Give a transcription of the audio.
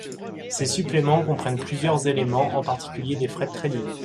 Ces suppléments comprennent plusieurs éléments, en particulier des frais de trading.